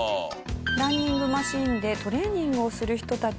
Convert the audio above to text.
ランニングマシンでトレーニングをする人たち。